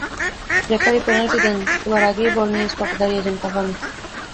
Referee penalty দেন, এবার আগেই বল নিয়ে স্পটে দাঁড়িয়ে যান কাভানি।